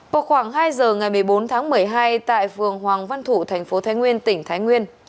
vào khoảng hai giờ ngày một mươi bốn tháng một mươi hai tại phường hoàng văn thủ thành phố thái nguyên tỉnh thái nguyên